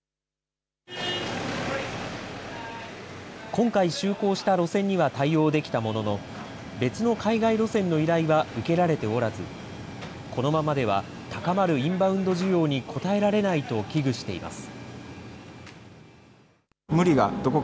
今回就航した路線には対応できたものの、別の海外路線の依頼は受けられておらず、このままでは高まるインバウンド需要に応えられないと危惧しています。